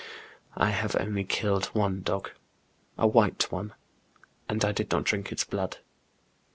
I have only killed one dog, a white one, and I did not drink its blood.'